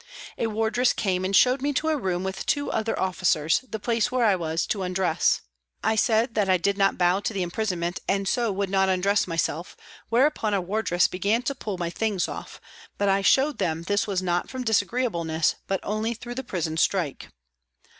A wardress came and showed me to a room with two other officers, the place where I was to undress. I said that I did not bow to the imprisonment and so would not undress myself, whereupon a wardress began to pull my things off, but I showed them this was not from disagreeableness but only through the prison strike.